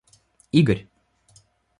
Игорь